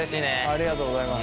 ありがとうございます。